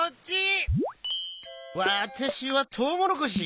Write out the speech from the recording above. わたしはトウモロコシ。